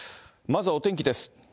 まずはお天気です。